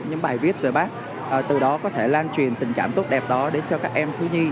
những bài viết về bác từ đó có thể lan truyền tình cảm tốt đẹp đó đến cho các em thiếu nhi